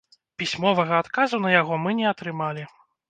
Пісьмовага адказу на яго мы не атрымалі.